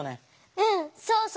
うんそうそう。